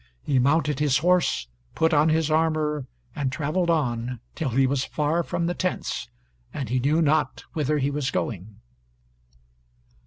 He mounted his horse, put on his armor, and traveled on till he was far from the tents, and he knew not whither he was going.